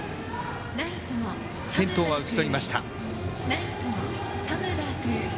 先頭は打ち取りました。